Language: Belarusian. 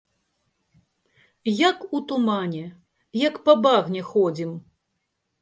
Як у тумане, як па багне ходзім.